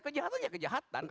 kejahatan ya kejahatan